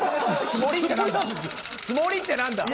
「つもり」って何だ！